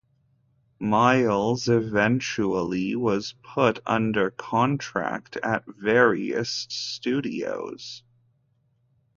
Miles eventually was put under contract at various studios.